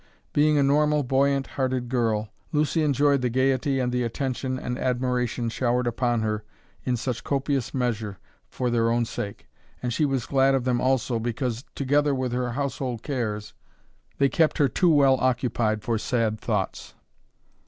Being a normal, buoyant hearted girl, Lucy enjoyed the gayety and the attention and admiration showered upon her in such copious measure for their own sake, and she was glad of them also because, together with her household cares, they kept her too well occupied for sad thoughts.